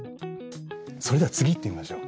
それでは次いってみましょう。